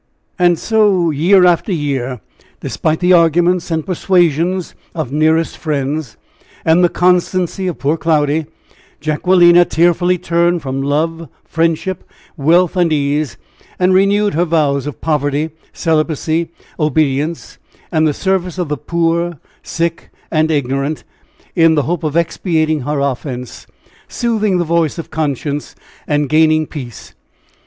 And so, year after year, despite the arguments and persuasions of nearest friends, and the constancy of poor Cloudy, Jacquelina tearfully turned from love, friendship, wealth and ease, and renewed her vows of poverty, celibacy, obedience, and the service of the poor, sick and ignorant, in the hope of expiating her offense, soothing the voice of conscience, and gaining peace.